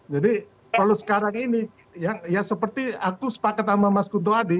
jadi kalau sekarang ini ya seperti aku sepakat sama mas kuntro adi